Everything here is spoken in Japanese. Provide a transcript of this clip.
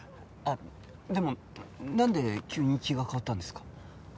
あっでもなんで急に気が変わったんですか？